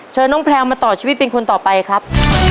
เชิญน้องแพลวมาต่อชีวิตเป็นคนต่อไปครับ